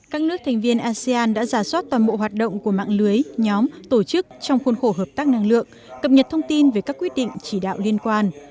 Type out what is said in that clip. các nước thành viên asean đã giả soát toàn bộ hoạt động của mạng lưới nhóm tổ chức trong khuôn khổ hợp tác năng lượng cập nhật thông tin về các quyết định chỉ đạo liên quan